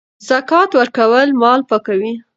زکات ورکول مال پاکوي.